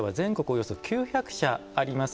およそ９００社あります